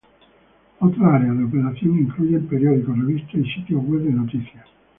Otras áreas de operación incluyen periódicos, revistas y sitios web de noticias.